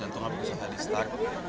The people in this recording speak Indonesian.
jantung abisnya tadi stak